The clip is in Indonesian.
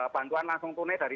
bantuan langsung tunai dari